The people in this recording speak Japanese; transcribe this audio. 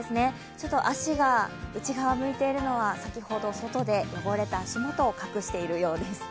ちょっと足が内側向いているのは先ほど外で汚れた足元を隠しているようです。